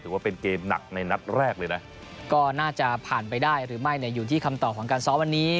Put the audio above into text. ว่าเป็นเกมหนักในนัดแรกเลยนะก็น่าจะผ่านไปได้หรือไม่เนี่ยอยู่ที่คำตอบของการซ้อมวันนี้